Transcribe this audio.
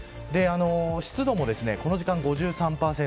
湿度もこの時間５３％